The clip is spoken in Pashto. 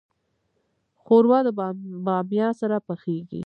ښوروا د بامیا سره پخیږي.